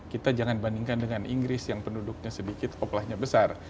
kita jangan bandingkan dengan inggris yang penduduknya sedikit oplahnya besar